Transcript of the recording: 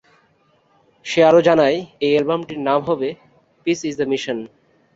সে আরো জানায় এই অ্যালবামটির নাম হবে "পিস ইজ দ্য মিশন"।